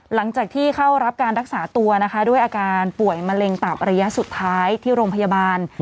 หลังจากที่เข้ารับการรักษาตัวนะคะด้วยอาการป่วยมะเร็งตับระยะสุดท้ายที่โรงพยาบาล